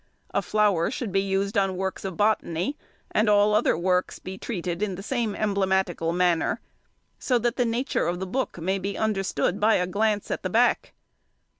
A flower should be used on works on Botany, and all other works be treated in the same emblematical manner; so that the nature of the book may be understood by a glance at the back.